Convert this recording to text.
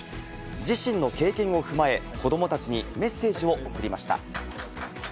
自身の経験を踏まえ、子どもたちにメッセージを送りました。